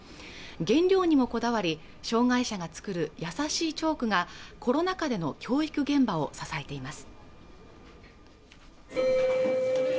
原料にもこだわり障害者が作る優しいチョークがコロナ禍での教育現場を支えています